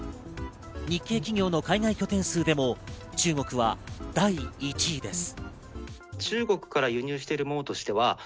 日系企業の海外拠点数でも中国は第１位です。